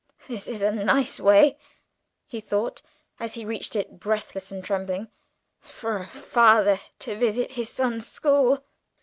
"This is a nice way," he thought, as he reached it breathless and trembling, "for a father to visit his son's school!"